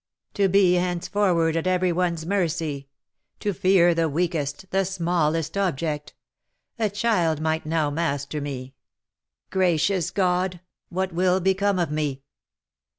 "To be henceforward at every one's mercy, to fear the weakest, the smallest object! a child might now master me! Gracious God! what will become of me?"